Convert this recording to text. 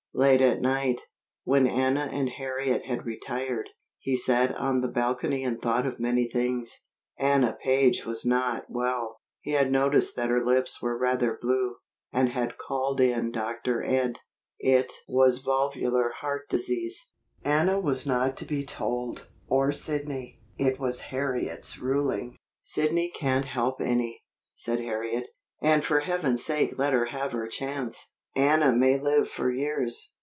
Late at night, when Anna and Harriet had retired, he sat on the balcony and thought of many things. Anna Page was not well. He had noticed that her lips were rather blue, and had called in Dr. Ed. It was valvular heart disease. Anna was not to be told, or Sidney. It was Harriet's ruling. "Sidney can't help any," said Harriet, "and for Heaven's sake let her have her chance. Anna may live for years.